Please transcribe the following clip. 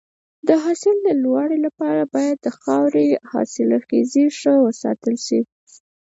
د حاصل د لوړوالي لپاره باید د خاورې حاصلخیزي ښه وساتل شي.